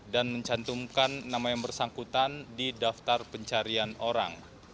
mencantumkan nama yang bersangkutan di daftar pencarian orang